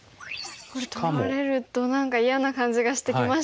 これ取られると何か嫌な感じがしてきましたね。